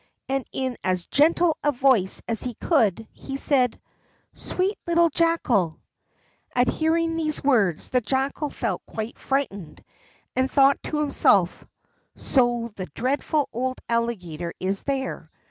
And in as gentle a voice as he could, he said: "Sweet little Jackal." At hearing these words the Jackal felt quite frightened, and thought to himself: "So the dreadful old Alligator is there.